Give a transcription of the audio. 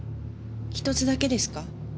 １つだけですか？